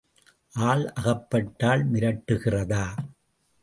ஆள் அகப்பட்டால் மிரட்டுகிறதா?